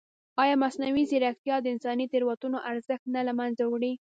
ایا مصنوعي ځیرکتیا د انساني تېروتنو ارزښت نه له منځه وړي؟